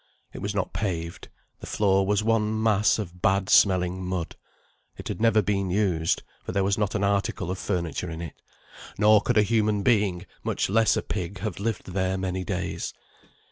It was not paved; the floor was one mass of bad smelling mud. It had never been used, for there was not an article of furniture in it; nor could a human being, much less a pig, have lived there many days.